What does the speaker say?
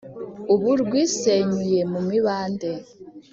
ubu rwisenyuye mu mibande,